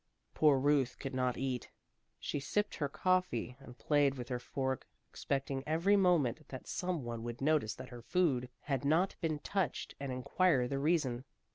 Poor Ruth could not eat. She sipped her coffee and played with her fork, expecting every moment that some one would notice that her food had not been touched and inquire the reason.